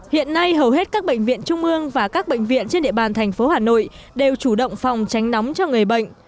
hiện nay hầu hết các bệnh viện trung ương và các bệnh viện trên địa bàn thành phố hà nội đều chủ động phòng tránh nóng cho người bệnh